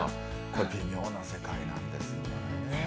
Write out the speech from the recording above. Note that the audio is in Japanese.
これ、微妙な世界なんですね。